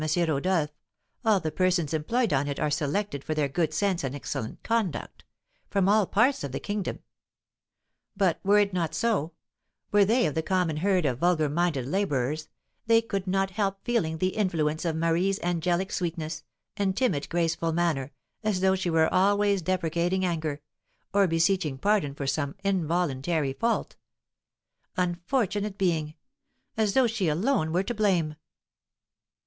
Rodolph, all the persons employed on it are selected for their good sense and excellent conduct, from all parts of the kingdom; but were it not so, were they of the common herd of vulgar minded labourers, they could not help feeling the influence of Marie's angelic sweetness, and timid, graceful manner, as though she were always deprecating anger, or beseeching pardon for some involuntary fault. Unfortunate being! as though she alone were to blame."